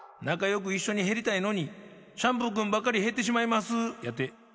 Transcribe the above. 「なかよくいっしょにへりたいのにシャンプーくんばっかりへってしまいます」やて。